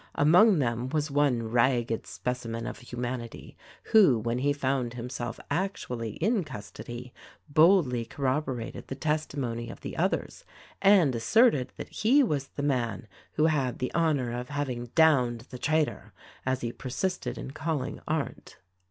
Among them was one ragged specimen of humanity who, when he found himself actually in custody, boldly corroborated the testimony of the others and asserted that he was the man who had the honor of having "downed the traitor," as he persisted in calling Arndt.